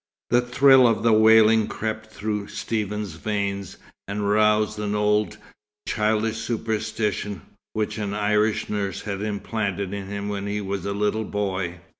The thrill of the wailing crept through Stephen's veins, and roused an old, childish superstition which an Irish nurse had implanted in him when he was a little boy.